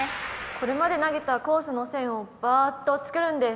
これまで投げたコースの線をバーッと作るんです。